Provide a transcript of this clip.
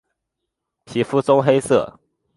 皮肤棕黑色。